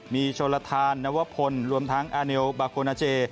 มีโชลทานนวพลรวมทั้งอาเนลบาโกนาเจ